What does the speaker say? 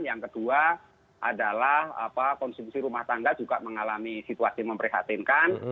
yang kedua adalah konsumsi rumah tangga juga mengalami situasi memprihatinkan